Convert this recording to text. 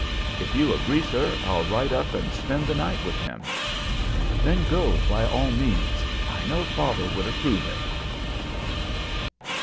"If you agree, sir, I'll ride up and spend the night with him." "Then go by all means. I know father would approve it."